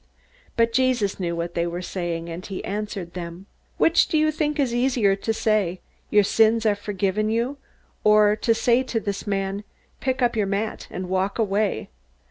But Jesus knew what they were saying, and he answered them: "Which do you think is easier to say, 'Your sins are forgiven you,' or to say to this man, 'Pick up your mat and walk away'?